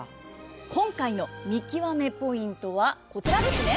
今回の見きわめポイントはこちらですね。